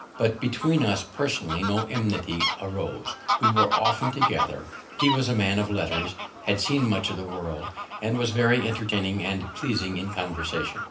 But between us personally no enmity arose; we were often together; he was a man of letters, had seen much of the world, and was very entertaining and pleasing in conversation.